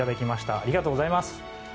ありがとうございます。